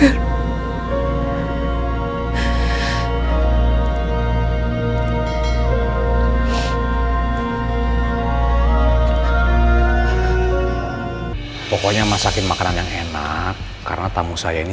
aku menyebab semua ini